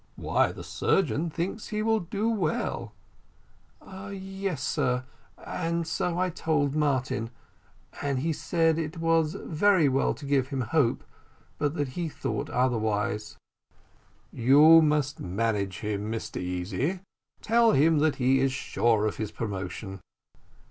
"Why, the surgeon thinks he will do well." "Yes, sir, and so I told Martin; but he said that it was very well to give him hope but that he thought otherwise." "You must manage him, Mr Easy; tell him that he is sure of his promotion."